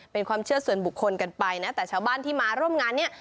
เป็นความเชื่อส่วนบุคคลกันไปนะแต่ชาวบ้านที่มาร่วมงานเนี่ย